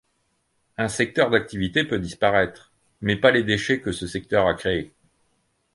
Un secteur d'activité peut disparaître, mais pas les déchets que ce secteur a créé.